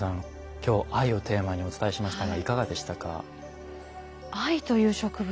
今日藍をテーマにお伝えしましたがいかがでしたか？